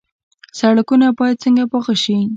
سړکونه باید څنګه پاخه شي؟